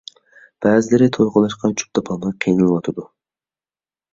بەزىلىرى توي قىلىشقا جۈپ تاپالماي قىينىلىۋاتىدۇ.